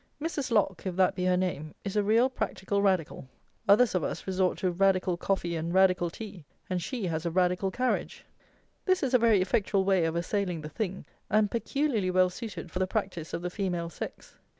Mrs. Lock (if that be her name) is a real practical radical. Others of us resort to radical coffee and radical tea; and she has a radical carriage. This is a very effectual way of assailing the THING, and peculiarly well suited for the practice of the female sex.